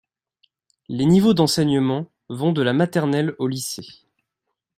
Les niveaux d'enseignement vont de la maternelle au lycée.